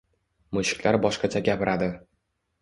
Mushuklar boshqacha gapiradi